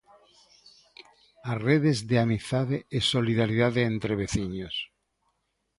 As redes de amizade e solidariedade entre veciños.